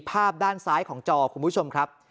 ภาพด้านซ้ายของจอคุณผู้ชมครับ